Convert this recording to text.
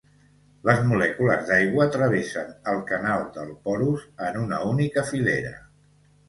Les molècules d'aigua travessen el canal del porus en una única filera.